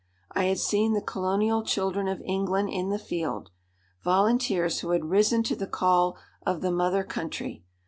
I had seen the colonial children of England in the field, volunteers who had risen to the call of the mother country.